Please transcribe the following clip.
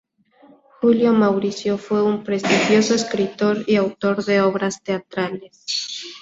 Julio Mauricio fue un prestigioso escritor y autor de obras teatrales.